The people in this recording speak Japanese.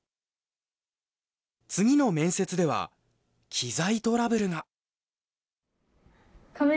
次の面接では機材トラブルが。